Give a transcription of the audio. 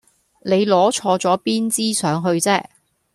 你攞錯咗邊支上去啫